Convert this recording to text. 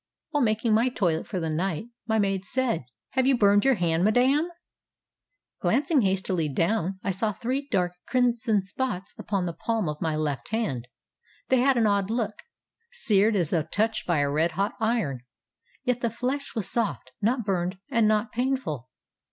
While making my toilet for the night my maid said: ŌĆ£Have you burned your hand, madam? ŌĆØ Glancing hastily down, I saw three dark crimson spots upon the palm of my left hand. They had an odd look, seared as though touched by a red hot iron, yet the flesh was soft, not burned and not painful.